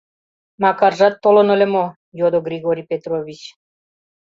Макаржат толын ыле мо? — йодо Григорий Петрович.